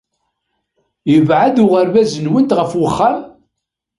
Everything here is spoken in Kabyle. Yebɛed uɣerbaz-nwent ɣef wexxam?